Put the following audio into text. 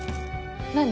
何？